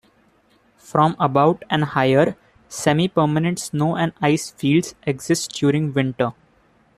From about and higher, semi-permanent snow and ice fields exist during winter.